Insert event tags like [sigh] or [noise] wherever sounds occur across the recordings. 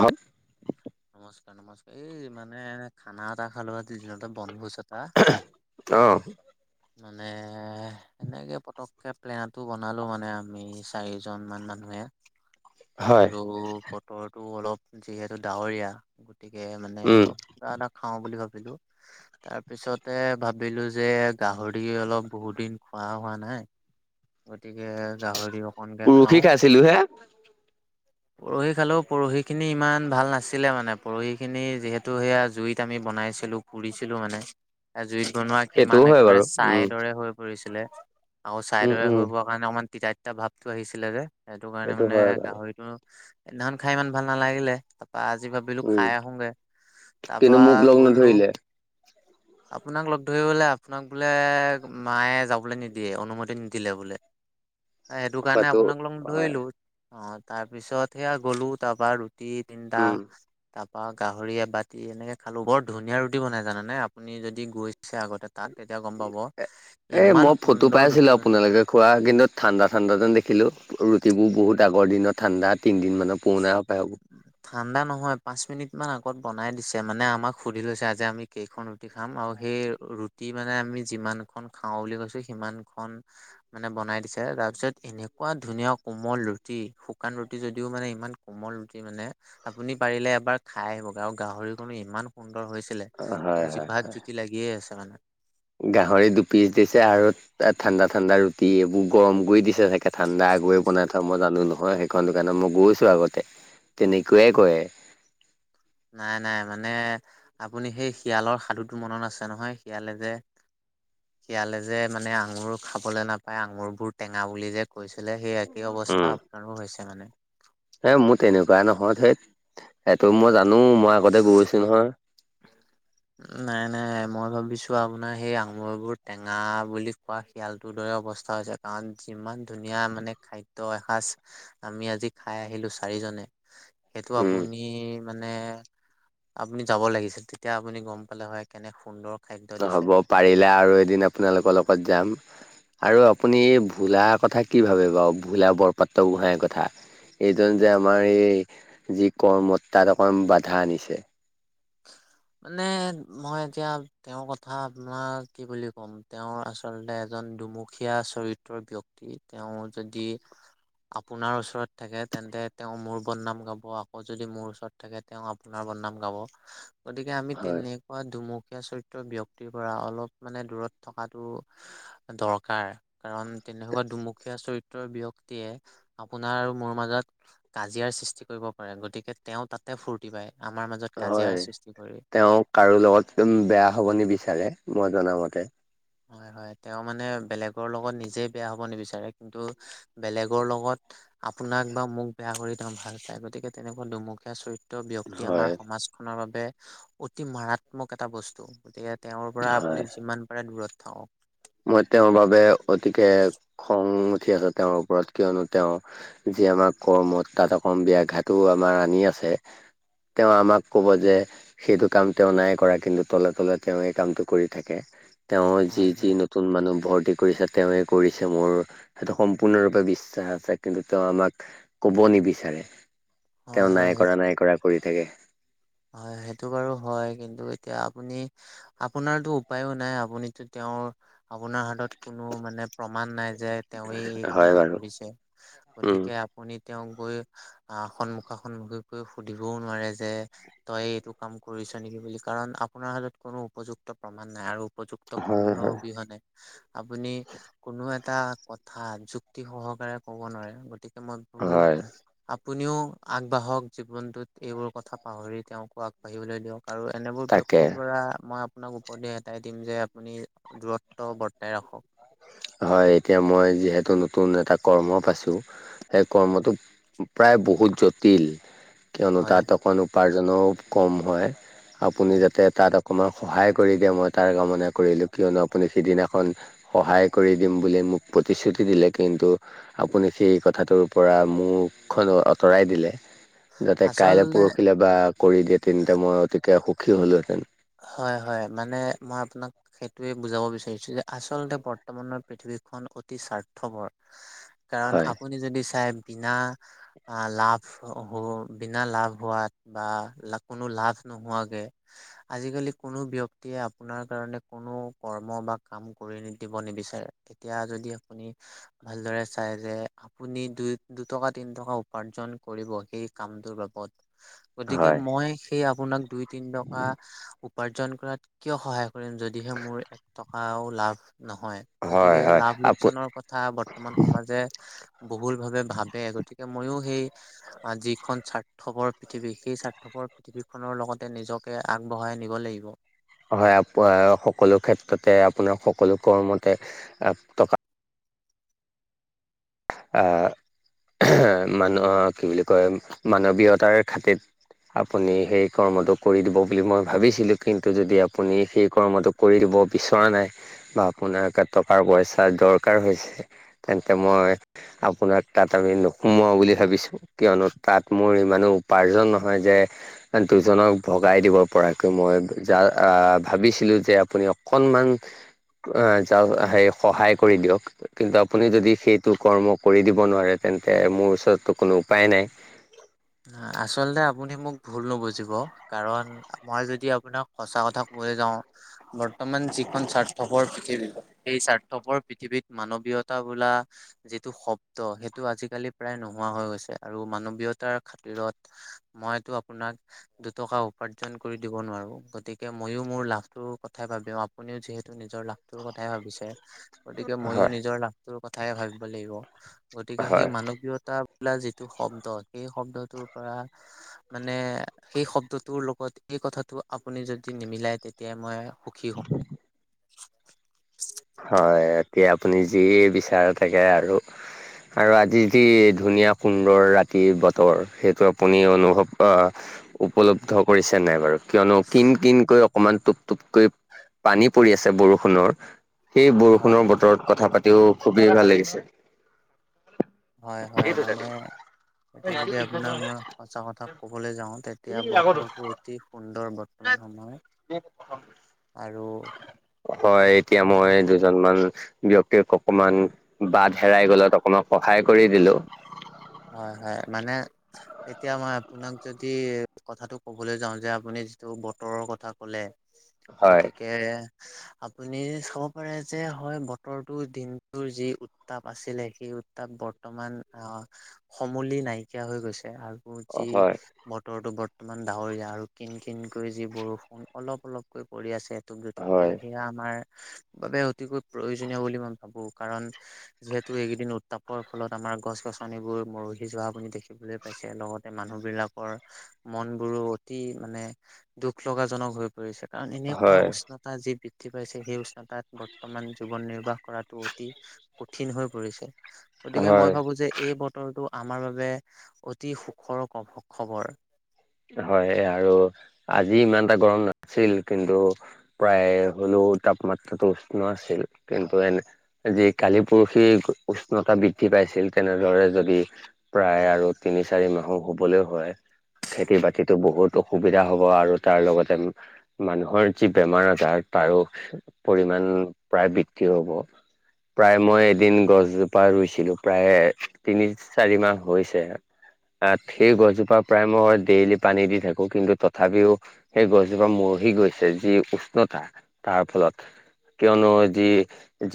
হত নমস্কাৰ নমস্কাৰ, এই মানে খানা এটা খালো আতি দিনতে বনভোচত হা! অ মানে সেনেকে পতককে প্লেনটো বনালো মানে আমি চাৰিজন মান মানুহে। হয় বোলো বতৰটো অলপ যিহেতু ডাৱৰীয়া গতিকে মানে উম অলপ কিবা এটা খাওঁ বুলি ভাবিলো। তাৰ পিছতে ভাবিলো যে গাহৰি অলপ বহুত দিন খোৱা হোৱা নাই? গতিকে গাহৰি অক- পুৰখি খাইছিলো হে? পোৰহি খালেও পৰহিখিনি ইমান ভাল নাছিলে মানে পৰহিখিনি যিহেতু সেয়া জুইত আমি বনাইছিলোঁ। পুৰিছিলো মানে। জুইত বনোৱা কিমান সেইটোও হয় একেবাৰে বাৰু চাই উম দৰে হৈ পৰিছিলে আৰু চাই উম দৰে উম হৈ প- কাৰণে অকমান তিতা তিতা ভাৱটো আহিছিলে যে সেইটো কাৰণে মানে হয় বাৰু সেইটো, সেইদিনাখন খাই ইমান ভাল নালাগিলে। বা আজি ভাবিলো উম খাই আহোগে। তা পা কিন্তু মোক লগ গলোঁ নধৰিলে আপোনাক লগ ধৰিবলে আপোনাক বোলে মায়ে যাবলৈ নিদিয়ে অনুমতি নিদিলে বোলে। [inaudible] এ এইটো কাৰণে হয়টো আপোনাক লগ ধৰিলো হয় অ তাৰপিছত সেয়া গ'লো তাৰপা ৰু- টি তিনটা উম তা পা গাহৰি এবাতি এনেকে খালো বৰ ধুনীয়া ৰুটি বনাই জানেনে আপ- আপুনি যদি গৈছে আগতে তাত তেতিয়া গম পাব, এ ইমান সুন্দৰ ৰুটি মানে তাকে খোৱা গিন্দত ঠাণ্ডা ঠাণ্ডাতেন দেখিলোঁ, ৰুটিবোৰ বহুত আগৰ দিনত ঠাণ্ডা তিনিদিনমানৰ পুৰণা সোপায় সেইবো। ঠাণ্ডা নহয় পাঁচ মিনিট মান আগত বনাই দিছে মানে আমাক সুধি লৈছে আজি আমি কেইখন ৰুটি খাম আৰু সে- ৰুটি মানে আমি যিমান খন খাওঁ বুলি কৈছো সিমানখন মানে বনাই দিছে তাৰ পিছত এনেকুৱা ধুনীয়া কোমল ৰুটি, শুকান ৰুট- টি যদিও মানে ইমান কোমল ৰুটি মানে আপুনি পাৰিলে এবাৰ খাই আহিব আৰু গাহৰিখনো ইমান সুন্দৰ হৈছ- হয় [unintelligible] হয় জিভাত জুতি লাগিয়ে আছে মানে। গাহৰি দুপিচ দিছে আৰু এ ঠাণ্ডা ঠাণ্ডা ৰুটি এইবোৰ গৰম কৰি দিছে চাগে ঠাণ্ডা আগয়ে বনাই থোৱা মই জানো নহয়। এখন দোকানত মই গৈছোঁ আগতে তেনেকুৱাই কয়। নাই নাই মানে আপুনি সেই শিয়ালৰ সাধুটো মনত আছে নহয় শিয়ালে যে শিয়ালে যে মানে আঙুৰ খাবলৈ নাপায় আঙুৰবোৰ টেঙা বুলি যে কৈছিলে সেই একেই উম অৱস্থা আপোনাৰো হৈছে মানে। এ মোৰ তেনেকুৱা নহয় ধেত এইটো মই জানো মই আগতে গৈছো নহয়। [inaudible] নাই নাই মই ভাবিছো আপোনাৰ সেই আঙুৰবোৰ টেঙা বুলি কোৱা শয়ালটোৰ দৰে অৱস্থা হৈছে কাৰণ যিমান ধুনীয়া মানে খাদ- দ্য এসাঁজ আমি আজি খাই আহিলোঁ চাৰিজনে। সেইটো উম আপুনি মানে আপুনি যাব লাগিছিল তেতিয়া আপুনি গম পালে হয় কেনে সুন্দৰ খাদ্য দিছে। হ'ব পাৰিলে আৰু এদিন আপোনালোকৰ লগত যাম। আৰু আপুনি এই ভোলা কথা কি ভাবে বাও ভোলা বৰপাত্ৰ গোহাঁইৰ কথা? এইজন যে আমাৰ এই যি কৰ্মত তাত অকমান বাধা আনিছে। [inaudible] মানে মই এতিয়া তেওঁৰ কথা আপোনাৰ কি বুলি ক'ম তেওঁ আচলতে এজন দুমুখ দুখীয়া চৰিত্ৰৰ ব্যক্তি তেওঁ যদি আপোনাৰ ওচৰত থাকে তেন্তে তেওঁ মোৰ বদনাম গাব আকৌ যদি মোৰ ওচৰত থাকে তেওঁ আপোনাৰ বদনাম গাব। গতিকে আমি হয় তেনেকুৱা দুমুখীয়া চৰিত্ৰ ব্যক্তিৰ পৰা অলপ মানে দূৰত থকাটো দৰকাৰ কাৰণ তেনেকুৱা দুমুখীয়া চৰিত্ৰৰ ব্যক্ত ব্যক্তিয়ে আপোনাৰ আৰু মোৰ মাজত কাজিয়াৰ সৃষ্টি কৰিব পাৰে গতিকে তেওঁ তাতে ফূৰ্তি পায় আমাৰ মাজত কাজিয়াৰ হয় সৃষ্টি কৰি তেওঁ কাৰো লগত উম বেয়া হব নিবিচাৰে মই জনামতে। হয়- হয় তেওঁ মানে বেলেগৰ লগত নিজে বেয়া হ'ব নিবিচাৰে কিন্তু বেলেগৰ লগত আপোনাক বা মোক বেয়া কৰি তেওঁ ভাল পায় গতিকে তেনেকুৱা দুমুখীয়া চৰিত্ ব্যক্তি আমাৰ হয় সমাজখনৰ বাবে অতি মাৰাত্মক এটা বস্তু গতিকে তেওঁৰ পৰা হয় আপুনি যিমান পাৰে দূৰত থাকক। মই তেওঁৰ বাবে অতিকে খং উঠি আছে তেওঁৰ ওপৰত কিয়নো তেওঁ যি আমাৰ কৰ্মত তাত অকম ব্যাঘাটো আমাৰ আনি আছে। তেওঁ আমাক ক'ব যে সেইটো কাম তেওঁ নাই কৰা কিন্তু তলে- তলে তেওঁয়ে এই কামটো কৰি থাকে তেওঁৰ হয় যি- যি হয় নত নতুন মানুহ ভৰ্তি কৰিছে তেওঁৱে কৰিছে মোৰ সেইটো সম্পূৰ্ণৰূপে বিশ্বাস আছে কিন্তু তেওঁ আমাক কব নিবিচাৰে। হয় তেওঁ হয় নাই সেই কৰা -নাই কৰা কৰি থাকে। হয় সেইটো বাৰু হয় কিন্তু এতিয়া আপুনি আপোনাৰতো উপায়ো নাই আপুনিতো তেওঁৰ আপোনাৰ হাতত কোনো মানে প্ৰমাণ নাই যে তেওঁৱেই এই হয় কামটো বাৰু কৰিছে উম গতিকে আপ শুনি তেওঁক গৈ আহ সন্মুখা সন্মুখীকৈ সুধিবও নোৱাৰে যে তই এইটো কাম কৰিছ নিকি বুলি কাৰণ আপোনাৰ হাতত কোনো উপযুক্ত প্ৰমাণ নাই আৰু উপযুক্ত হয় প্ৰমানৰ হয় অবিহনে আপুনি কোনো এটা কথা যুক্তি সহকাৰে কব নোৱাৰে গতিকে মই হয়। আপুনিওঁ আগবাঢ়ক জীৱনটোত এইবোৰ কথা পাহৰি তেওঁকো আগবাঢ়িবলৈ দিয়ক। আৰু এনেবোৰ তাকে ব্যক্তিৰ পৰা মই আপ আপোনাক উপদেশ এটাই দিম যে আপুনি দূৰত্ব বৰ্তাই ৰাখক। হয় এতিয়া মই যিহেতু নতুন এটা কৰ্ম পাইছো সেই কৰ্মটোত প্ৰায় বহুত জটিল কিয়নো হয় তাত অকণ উপাৰ্জনো কম হয় আপুনি হয় যাতে তাত আপ অকণমান সহায় কৰি দিয়ে মই তাৰ কামনা কৰিলো কিয়নো আপুনি সিদিনাখন সহায় কৰি দিম বুলি মোক প্ৰতিশ্ৰুতি দিলে কিন্তু আপুনি সেই কথাটোৰ পৰা মুখখনো আঁতৰাই দিলে যাতে কাইলে আচলতে পৰহিলে বা কৰি দিয়ে তেন্তে মই অতিকে সুখী হ'লোহেতেন হয় হয় মানে মই আপোনাক সেইটোৱে বুজাব বিচাৰিছো যে আচলতে বৰ্তমানৰ পৃথিৱীখন অতি স্বাৰ্থপৰ কাৰণ হয়। আপুনি যদি চাই বিনা লাভ হ বিনা লাভ হোৱাত বা লা কোনো লাভ নোহোৱাকে আজিকালি কোনো ব্যক্তিয়ে আপোনাৰ কাৰণে কোনো কৰ্ম বা কাম কৰি নি দিব নিবিচাৰে তেতিয়া যদি আপুনি ভালদৰে চাই যে আপুনি দুই দুটকা তিন টকা উপাৰ্জন কৰিব সেই কামটোৰ বাবদ গতিকে হয় মই সেই আপোনাক দুই তিন টকা উপাৰ্জন কৰাত কিয় সহায় কৰিম যদিহে মোৰ এক টকাও লাভ নহয় হয় গতিকে হয় লাভ আপু লোকচানৰ কথা বৰ্তমান সমাজে বহুল ভাবে ভাবে গতিকে মইও সেই আ যিখন স্বাৰ্থপৰ পৃথিৱী সেই স্বাৰ্থপৰ পৃথিৱীখনৰ লগতে নিজকে আগবঢ়াই নিব লাগিব এ পএ সকলো ক্ষেত্ৰতে আপোনাৰ সকলো কৰ্মতে টকা আহ মানুহ কি বুলি কয় মানৱীয়তাৰ খাতিত আপুনি সেই কৰ্মটো কৰি দিব বুলি মই ভাবিছিলোঁ, কিন্তু যদি আপুনি সেই কৰ্মটো। কৰি দিব বিচৰা নাই বা আপোনাৰ টকাৰ পইচা দৰকাৰ হৈছে। তেন্তে মই আপোনাক তাত আৰু নোসোমোৱাওঁ বুলি ভাবিছোঁ। কিয়নো তাত মোৰ ইমানো উপাৰ্জন নহয় যে। দুজনক ভগাই দিব পৰাকৈ মই যা ভাবিছিলোঁ যে আপুনি। অকনমান যা হেই সহায় কৰি দিয়ক। কিন্তু আপুনি যদি সেইটোক। কৰ্ম কৰি দিব নোৱাৰে, তেন্তে মোৰ ওচৰততো কোনো উপায় নাই। আচলতে আপুনি মোক ভুল নুবুজিব কাৰণ মই যদি আপোনাক। সঁচা কথা কৈয়ে যাওঁ। বৰ্তমান যিখন স্বাৰ্থপৰ পৃথিৱী, সেই স্বাৰ্থপৰ পৃথিৱীত মানৱীয়তা বোলা যিটো শব্দ সেইটো আজিকালি প্ৰায় নোহোৱা হৈ গৈছে। আৰু মানৱীয়তাৰ খাতিৰত মইতো আপোনাক। দুটকা উপাৰ্জন কৰি দিব নোৱাৰো। গতিকে ময়ো মোৰ লাভটোৰ কথাই ভাবি আপুনিও যিহেতু নিজৰ লাভ তোৰ কথাই ভাবিছে। গতিকে ময়ো হয় নিজৰ লাভটোৰ কথাই ভাবিব লাগিব। গতিকে হয় সেই মানৱীয়তা। বোলা যিটো শব্দ সেই শব্দটোৰ পৰা। মানে সেই শব্দটোৰ লগত এই কথাটো আপুনি যদি নিমিলাই তেতিয়া মই সুখী হম। হয়, এতিয়া আপুনি যি বিচাৰে থাকে আৰু। আৰু আজি যি ধুনীয়া সুন্দৰ ৰাতি বতৰ, সেইটো আপুনি অনুভৱ অ' উপলব্ধ কৰিছে নাই বাৰু। কিয়নো কিন কিনকৈ অকমান টোপ টোপকৈ পানী পৰি আছে বৰষুণৰ। এই হয়, বৰষুণৰ বতৰত কথা পাতিও খুবেই ভাল লাগিছে। হয়- হয় মানে। তাকে যদি আপোনাক মই সঁচা কথা ক'বলৈ যাও তেতিয়া বতৰটো অতি সুন্দৰ বতৰ। আৰু হয় আপোনাক এতিয়া যদি মই কেইজনমান ব্যক্তিক অকমান বাট হেৰাই গ'লত অকমান সহায় কৰি দিলো। হয় -হয় মানে। এতিয়া মই আপোনাক যদি কথাটো কবলৈ যাও যে আপুনি যিটো বতৰৰ কথা ক'লে। হয় গতিকে আপুনি চাব পাৰে যে হয়। বতৰটোৰ দিনটোৰ যি উত্তাপ আছিলে, সেই উত্তাপ বৰ্তমান অহ সমুলি নাইকিয়া হৈ গৈছে আকৌ যি হয় বতৰটো বৰ্তমান ডাৱৰীয়া আৰু কিন কিনকৈ যি বৰষুণ অলপ অলপকৈ পৰি আছে। এটুপ দুটুপকৈ হয় সেয়া আমাৰ বাবে অতিকৈ প্ৰয়োজনীয় বুলি মই ভাবো কাৰণ। যিহেতু এইকেইদিন উত্তাপৰ ফলত আমাৰ গছ গছনি গছ গছনি বোৰ মৰহি যোৱা আপুনি দেখিবলৈ পাইছে লগতে মানুহ বিলাকৰ মন বোৰো অতি মানে দুখ লগাজনক হৈ পৰিছে। কাৰণ এনেকুৱা হয় উষ্ণতা যি বৃদ্ধি পাইছে সেই উষ্ণতা তাত বৰ্তমান জীৱন নিৰ্বাহ কৰাটো অতি কঠিন হৈ পৰিছে। গতিকে মই হয় ভাবো যে এই বতৰটো আমাৰ বাবে অতি সুখৰ খবৰ। হয় আৰু আজি ইমান এটা গৰম নাছিল কিন্তু। প্ৰায় হ'লেও তাপমাত্ৰাটো উষ্ণ আছিল কিন্তু এনে যি কালি পৰসি উষ্ণতা বৃদ্ধি পাইছিল তেনেদৰে যদি প্ৰায় আৰু তিনি চাৰি মাহো হ'বলৈও হয়। খেতি বাতিতো বহুত অসুবিধা হ'ব আৰু তাৰ লগতে। মানুহৰ যি বেমাৰ আজাৰ তাৰো পৰিমান প্ৰায় বৃদ্ধি হ'ব। প্ৰায় মই এদিন গছজোপা ৰুইছিলো প্ৰায় তিনি চাৰি মাহ হৈছে। আহ সেই গছজোপা প্ৰায় মই। ডেইলি পানী দি থাকো কিন্তু তথাপিও সেই গছজোপা মৰহি গৈছে যি উষ্ণতা। তাৰ ফলত কিয়নো যি।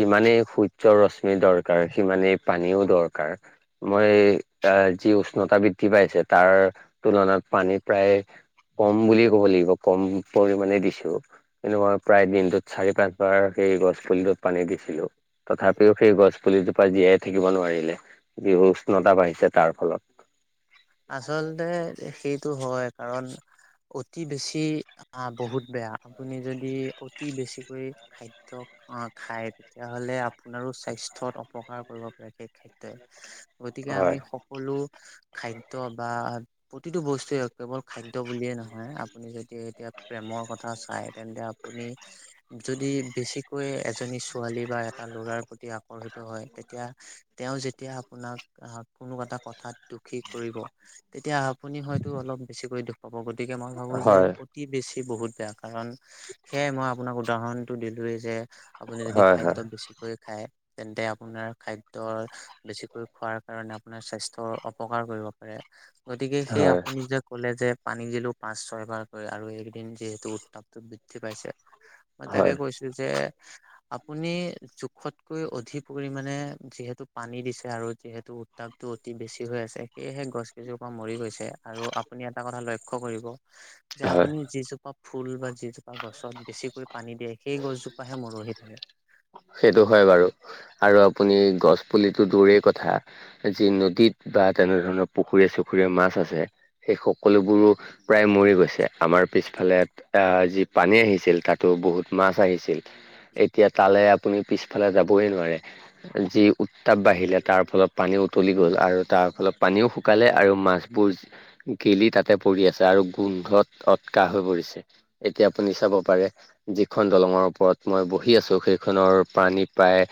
যিমানেই সূৰ্যৰ ৰশ্মি দৰকাৰ সিমানেই পানীও দৰকাৰ মই আহ যি উষ্ণতা বৃদ্ধি পাইছে তাৰ তুলনাত পানী প্ৰায়ে কম বুলিয়ে ক'ব লাগিব কম পৰিমানে দিছো কিন্তু মই প্ৰায় দিনটোত চাৰি পাঁচ বাৰ সেই গছ পুলিটোত পানী দিছিলো তথাপিও সেই গছ পুলিজোপা জীয়াই থাকিব নোৱাৰিলে যি উষ্ণতা বাঢ়িছে তাৰ ফলত আচলতে সেইটো হয় কাৰণ অতি বেছি আহ বহুত বেয়া আপুনি যদি অতি বেছিকৈ খাদ্য অ খাই তেতিয়াহলে আপোনাৰো স্বাস্থ্যত অপকাৰ কৰিব পাৰে সেই ক্ষেত- তে গতিকে আমি হয় সকলো খাদ্য বা প্ৰতিটো বস্তুৱে কেৱল খাদ্য বুলিয়ে নহয় আপুনি যদি এতিয়া প্ৰেমৰ কথা চাই তেন্তে আপ- পুনি যদি বেছি কৈ এজনী ছোৱালী বা এটা লৰাৰ প্ৰতি আকৰ্ষিত হয় তেতিয়া তেওঁ যেতিয়া আপোনাক আহ কোনো এটা কথাত দোষী কৰিব তেতিয়া আপুনি হয়তো অলপ বেছিকৈ দুখ পাব গতিকে মই ভাবো যে হয় অতি বেছি বহুত বেয়া কাৰণ সেয়াই মই আপোনাক উদাহৰণটো দিলোৱেই যে আপুনি যদি হয় খাদ্য হয় বেছিকৈ খায় তেন্তে আপোনাৰ খাদ্য বেছিকৈ খোৱাৰ কাৰণে আপোনাৰ স্বাস্থ্যৰ অপকাৰ কৰিব পাৰে গতিকে সেই হয় আপুনি যে ক'লে যে পানী দিলো পাঁচ ছয় বাৰকৈ আৰু এইকেদিন যিহেতু উত্তাপটো বৃদ্ধি পাইছে মই তাকে হয় কৈছো যে আপুনি জোখত। কৈ অধিক পৰিাণে যিহেতু পানী দিছে আৰু যিহেতু উত্তাপটো অতি বেছি হৈ আছে। সেয়েহে গছ কেইজোপা মৰি গৈছে আৰু আপুনি এটা কথা লক্ষ্য কৰিব। যে হয় আপুনি যি যোপা ফুল বা যিজোপা গছত বেছিকৈ পানী দিয়ে সেই গছজোপাহে মৰহি থাকে। সেইটো হয় বাৰু আৰু আপুনি গছ পুলিটো দুৰেই কথা যি নদীত বা তেনে ধৰণৰ পুখুৰীয়ে চুখুৰীয়ে মাছ আছে সেই সকলোবোৰো প্ৰায় মৰি গৈছে আমাৰ পিছফালে আহ যি পানী আহিছিল তাতো বহুত মাছ আহিছিল এতিয়া তালে আপুনি পিছফালে যাবই নোৱাৰে যি উত্তাপ বাঢ়িলে তাৰ ফলত পানী উতলি গ'ল আৰু তাৰ ফলত পানীও, শুকালে আৰু মাছবোৰ গেলি তাতে পৰি আছে আৰু গোন্ধত অটকা হৈ পৰিছে। এতিয়া আপুনি চাব পাৰে যিখন দলঙৰ ওপৰত মই বহি আছো সেই। খনৰ প্ৰাণী প্ৰায়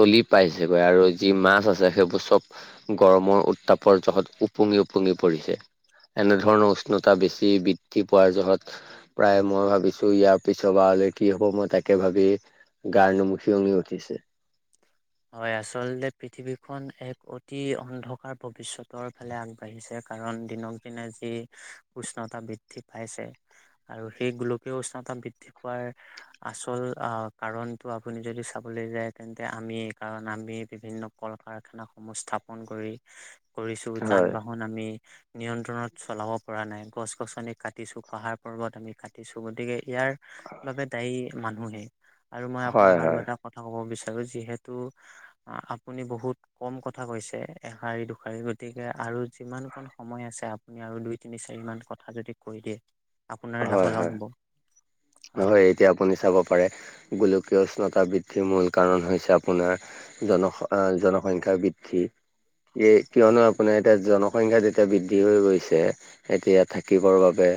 তলি পাইছেগৈ আৰু যি মাছ আছে সেইবোৰ চব। গৰমৰ উত্তাপৰ জহত ওপুঙি ওপুঙি পৰিছে। এনেধৰণৰ উষ্ণতা বেছি বৃদ্ধি পোৱাৰ জহত। প্ৰায় মই ভাবিছোঁ ইয়াৰ পিছৰবাৰলৈ কি হ'ব মই তাকে ভাবি। গাৰ নুম সিয়ঙি উঠিছে। হয় আচলতে পৃথিৱীখন এক অতি অন্ধকাৰ ভৱিষ্যতৰ ফালে আগ বাঢ়িছে কাৰণ দিনক দিনে যি উষ্ণতা বৃদ্ধি পাইছে। আৰু সেই গোলকীয় উষ্ণতা বৃদ্ধি পোৱাৰ। আচল আহ কাৰণটো আপুনি যদি চাবলৈ যায় তেন্তে আমি। কাৰণ আমি বিভিন্ন কল কাৰখানা সমূহ স্থাপন কৰি কৰিছো যান হয় বাহন। বাহন আমি। নিয়ন্ত্ৰণত চলাব পৰা নাই গছ গছনি কাটিছো পাহাৰ পৰ্বত আমি কাটিছো গতিকে। ইয়াৰ বাবে দায়ী মানুহে আৰু মই আপোনাক হয় আৰু হয় এটা কথা ক'ব বিচাৰো যিহে তো আপোনি বহুত। কম কথা কৈছে এশাৰি দুশাৰী গতিকে আৰু যিমান কণ সময় আছে। আপোনি আৰু দুই তিনি চাৰি মান কথা যদি কৈ দিয়ে। আপোনাৰ লাভৱান হ'ব। হয়। তেতিয়া আপুনি চাব পাৰে গোলকীয় উষ্ণতা বৃদ্ধিৰ মূল কাৰণ হৈছে আপ আপোনাৰ জনস জনসংখ্যা বৃদ্ধি। এই কিয়নো আপোনাৰ এতিয়া জনসংখ্যা যেতিয়া বৃদ্ধি হৈ গৈছে। এতিয়া থাকিবৰ বাবে।